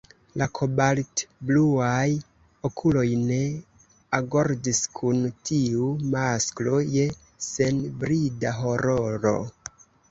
La kobaltbluaj okuloj ne agordis kun tiu masko je senbrida hororo.